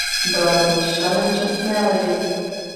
Byl rovněž členem Čestné legie.